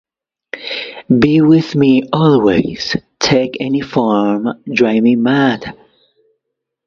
Be with me always — take any form — drive me mad!